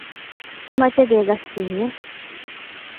ameche gekasyinyen